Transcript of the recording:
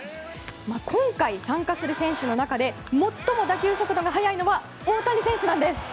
今回、参加する選手の中で最も打球速度が速いのは大谷選手なんです。